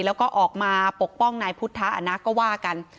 แล้วก็ออกมาปกป้องนายพุทธะนะก็ว่ากัน